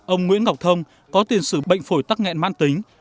ông nguyễn ngọc thông có tiền sử bệnh phổi tắc nghẹn mãn tính